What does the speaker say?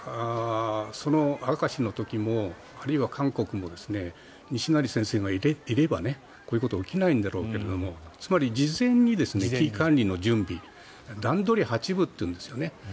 明石の時もあるいは韓国も西成先生がいればこういうことは起きないんだろうけどつまり、事前に危機管理の準備段取り８分って言うんですよね。